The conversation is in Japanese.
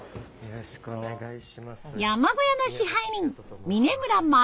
よろしくお願いします。